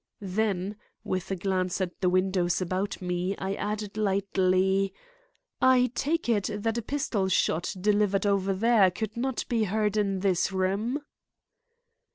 Then, with a glance at the windows about me, I added lightly: "I take it that a pistol shot delivered over there could not be heard in this room."